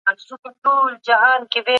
الله تعالی د خپلو حقونو مالک دی.